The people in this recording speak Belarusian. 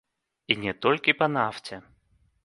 І не толькі па нафце.